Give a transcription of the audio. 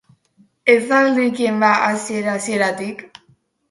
Ez al nekien ba hasiera-hasieratik?